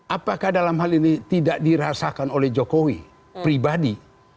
apakah dalam hal ini tidak dirasakan oleh jokowi pribadi